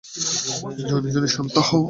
Johnny, Johnny, শান্ত হও।